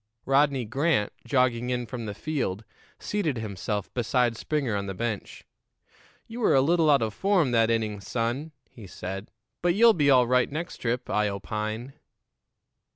Rodney Grant, jogging in from the field, seated himself beside Springer on the bench. "You were a little out of form that inning, son," he said; "but you'll be all right next trip, I opine."